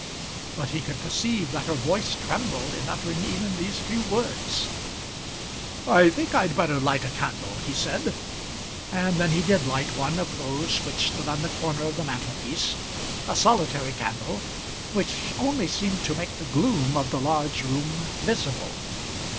But he could perceive that her voice trembled in uttering even these few words. "I think I'd better light a candle," he said; and then he did light one of those which stood on the corner of the mantelpiece, a solitary candle, which only seemed to make the gloom of the large room visible.